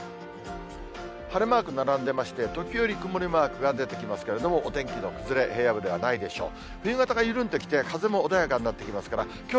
晴れマーク並んでまして、時折、曇りマークが出てきますけれども、お天気の崩れ、平野部ではないでしょう。